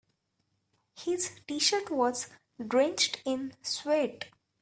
His t-shirt was drenched in sweat.